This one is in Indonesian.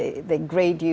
mereka menguji anda